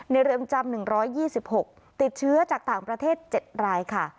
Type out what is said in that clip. ในเริมจำหนึ่งร้อยยี่สิบหกติดเชื้อจากต่างประเทศเจ็ดรายค่ะ